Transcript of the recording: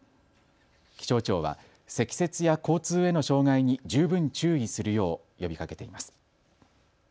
気象庁は積雪や交通への障害に十分注意するよう呼びかけています。